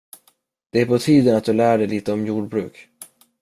Det är på tiden att du lär dig lite om jordbruk!